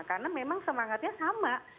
karena memang semangatnya sama